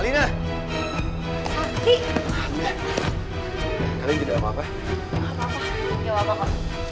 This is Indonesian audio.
tidak ada apa apa